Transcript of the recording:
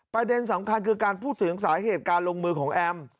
ประเด็นสำคัญคือการพูดถึงสาเหตุการลงมือของแอม